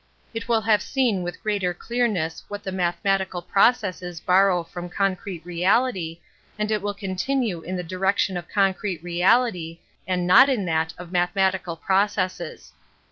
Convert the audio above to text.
It will have seen with greater clearness what the mathematical processes borrow from concrete reality, and it will continue in the direction of concrete reality, and not in that of mathematical processes.